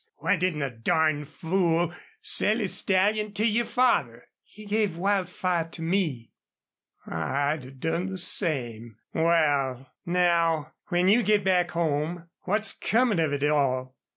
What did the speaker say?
Why didn't the darn fool sell his stallion to your father?" "He gave Wildfire to me." "I'd have done the same. Wal, now, when you git back home what's comin' of it all?"